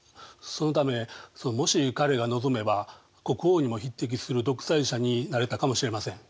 そのためもし彼が望めば国王にも匹敵する独裁者になれたかもしれません。